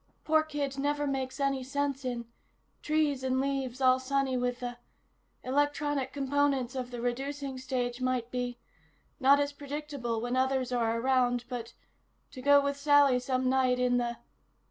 poor kid never makes any sense in ... trees and leaves all sunny with the ... electronic components of the reducing stage might be ... not as predictable when others are around but ... to go with Sally some night in the...."